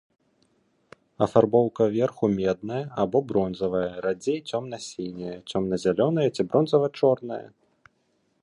Афарбоўка верху медная або бронзавая, радзей цёмна-сіняя, цёмна-зялёная ці бронзава-чорная.